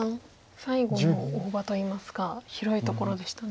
最後の大場といいますか広いところでしたね。